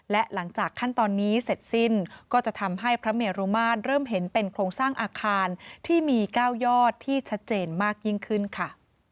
และหลังจากขั้นตอนนี้เสร็จสิ้นก็จะทำให้พระเมรุมาตรเริ่มเห็นเป็นโครงสร้างอาคารที่มี๙ยอดที่ชัดเจนมากยิ่งขึ้นค่ะ